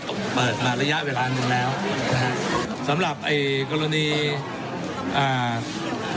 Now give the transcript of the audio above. ผมเปิดมาระยะเวลาหนึ่งแล้วนะฮะสำหรับไอ้กรณีอ่า